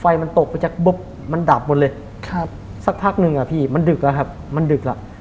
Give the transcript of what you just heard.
ไฟมันตกพอแจ๊คบบมันดับหมดเลยสักพักหนึ่งอะพี่มันดึกแล้วครับมันดึกแล้ว